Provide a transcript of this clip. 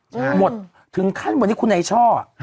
เพราะว่าถึงขั้นวันนี้คุณไหนชอบ